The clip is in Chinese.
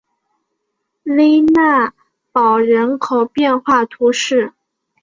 勒讷堡人口变化图示